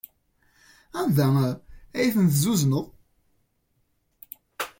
Anda ay ten-tezzuzneḍ?